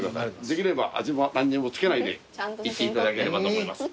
できれば味も何にも付けないでいっていただければと思います。